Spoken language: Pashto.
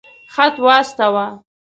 خط واستاوه.